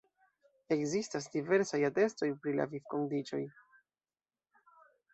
Ekzistas diversaj atestoj pri la vivkondiĉoj.